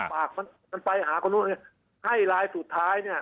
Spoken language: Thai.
ภาพมันไปหาคนโน้นให้รายสุดท้ายเนี่ย